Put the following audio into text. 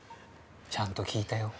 ちゃんと聞いたよ